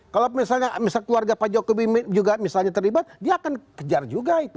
kalau misalnya keluarga pak jokowi terlibat dia akan kejar juga